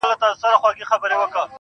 پر دې متل باندي څه شك پيدا سو.